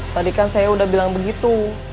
tadi kan saya udah bilang begitu